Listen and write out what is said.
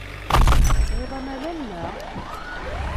Tesɛiḍ amalal, naɣ?